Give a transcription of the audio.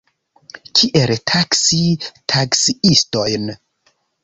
Kiel taksi taksiistojn?